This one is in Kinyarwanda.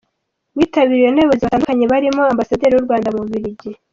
Witabiriwe n’abayobozi batandukanye barimo Ambasaderi w’u Rwanda mu Bubiligi, Amb.